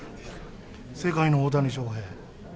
世界の大谷翔平。